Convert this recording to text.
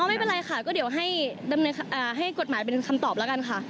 ไม่เป็นไรค่ะก็เดี๋ยวให้กฎหมายเป็นคำตอบแล้วกันค่ะ